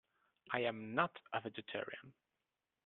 I am not a vegetarian.